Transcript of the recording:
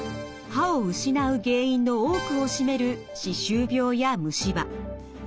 歯を失う原因の多くを占める歯周病や虫歯。